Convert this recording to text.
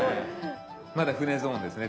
まだ舟ゾーンですね。